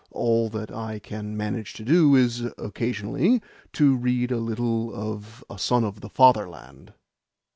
All that I can manage to do is, occasionally, to read a little of A Son of the Fatherland."